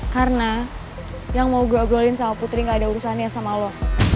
karena yang mau gue abrolin sama putri gak ada urusannya sama lo